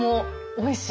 おいしい？